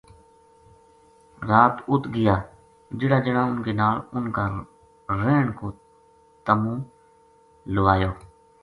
رات اُت گیا جہڑا جنا اُنھ کے نال اُنھ کا رہن کو تَمُو لوایو